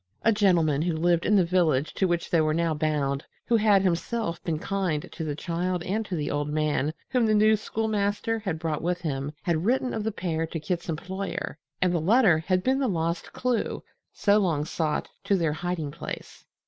A gentleman who lived in the village to which they were now bound, who had himself been kind to the child and to the old man whom the new schoolmaster had brought with him, had written of the pair to Kit's employer, and the letter had been the lost clue, so long sought, to their hiding place.